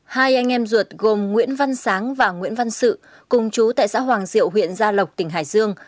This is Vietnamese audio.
hai anh em ruột gồm nguyễn văn sáng và nguyễn văn sự cùng chú tại xã hoàng diệu huyện gia lộc tỉnh hải dương